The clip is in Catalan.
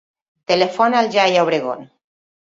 Telefona al Yahya Obregon.